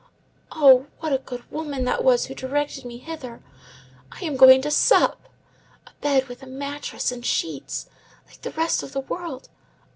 Oh, what a good woman that was who directed me hither! I am going to sup! A bed with a mattress and sheets, like the rest of the world!